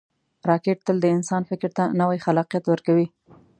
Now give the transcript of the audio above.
راکټ تل د انسان فکر ته نوی خلاقیت ورکوي